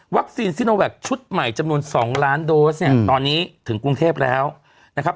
ซีโนแวคชุดใหม่จำนวน๒ล้านโดสเนี่ยตอนนี้ถึงกรุงเทพแล้วนะครับ